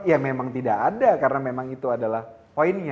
ya memang tidak ada karena memang itu adalah poinnya